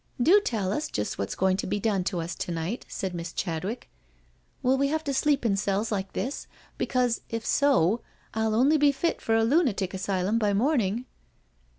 " Do tell us just what's going to be done to us to night," said Miss Chadwick. " Will we have to sleep in cells like this, because if so I'U only be fit for a lunatic asylum by morning?"